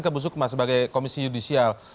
ke bu sukma sebagai komisi yudisial